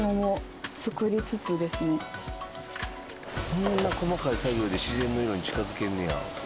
こんな細かい作業で自然の色に近づけんねや。